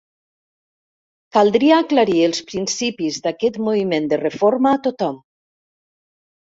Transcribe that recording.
Caldria aclarir els principis d'aquest moviment de reforma a tothom.